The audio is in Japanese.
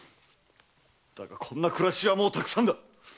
だがこんな暮らしはもうたくさんだ！